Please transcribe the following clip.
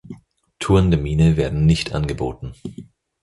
Touren der Mine werden nicht angeboten.